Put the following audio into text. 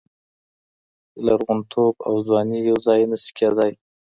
لرغونتوب او ځواني یو ځای نشي کېدای.